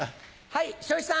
はい。